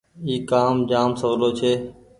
اي ڪآم جآم سولو ڇي۔